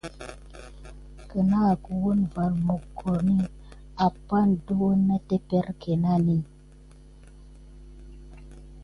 Kənahet woun van mogoni va kəsapanek də tepelke na yas kəta a dangay mənani.